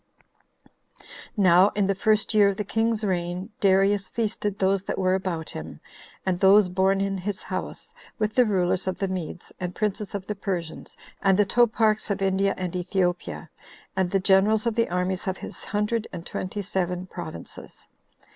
2. Now, in the first year of the king's reign, Darius feasted those that were about him, and those born in his house, with the rulers of the Medes, and princes of the Persians, and the toparchs of India and Ethiopia, and the generals of the armies of his hundred and twenty seven provinces.